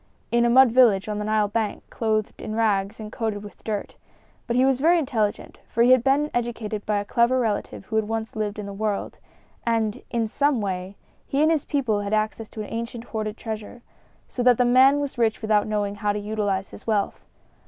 "In a mud village on the Nile bank, clothed in rags and coated with dirt. But he was very intelligent, for he had been educated by a clever relative who had once lived in the world; and, in some way, he and his people had access to an ancient hoarded treasure, so that the man was rich without knowing how to utilize his wealth.